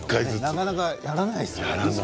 なかなかやらないですよね。